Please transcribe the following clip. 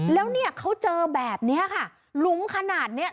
แล้วเนี่ยเขาเจอแบบนี้ค่ะหลุมขนาดเนี้ย